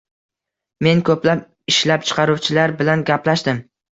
Men ko‘plab ishlab chiqaruvchilar bilan gaplashdim